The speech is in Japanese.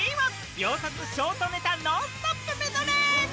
秒速ショートネタノンストップメドレー。